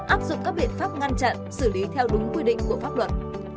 áp dụng các biện pháp ngăn chặn xử lý theo đúng quy định của pháp luật